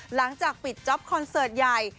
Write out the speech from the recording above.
หลังจากปิดจ๊อปคอนเสิร์ตใหญ่